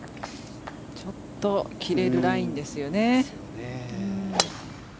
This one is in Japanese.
ちょっと切れるラインですよね。